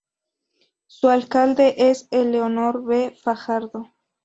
Su alcalde es Eleonor B. Fajardo.